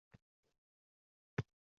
Harbiy qismda uch avlod uchrashuvi